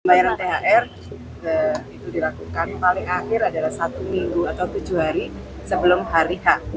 pembayaran thr itu dilakukan paling akhir adalah satu minggu atau tujuh hari sebelum hari h